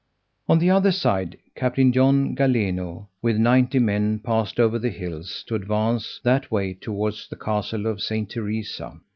On the other side, Captain John Galeno, with ninety men, passed over the hills, to advance that way towards the castle of St. Teresa.